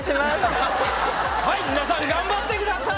はい皆さん頑張ってください。